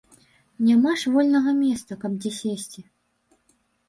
Няма ж вольнага месца, каб дзе сесці.